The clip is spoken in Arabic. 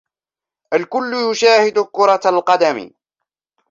الكل يشاهد كره القدم